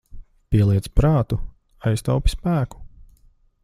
Pieliec prātu, aiztaupi spēku.